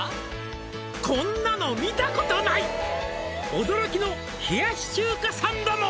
「こんなの見たことない」「驚きの冷やし中華サンドも」